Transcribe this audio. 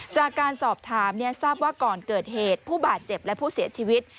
จากการสอบถามทราบว่าก่อนเกิดเหตุผู้บาดเจ็บและผู้เสียชีวิต